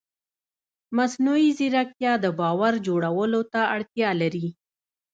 مصنوعي ځیرکتیا د باور جوړولو ته اړتیا لري.